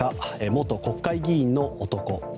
元国会議員の男。